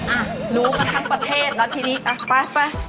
อ่ะรู้กันทั้งประเทศแล้วทีนี้อ่ะไปไป